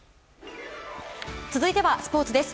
続いてはスポーツです。